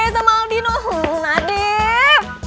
sama aldino hmm nadif